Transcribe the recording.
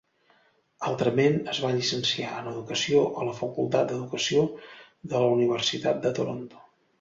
Altrament, es va llicenciar en Educació a la Facultat d'Educació de la Universitat de Toronto.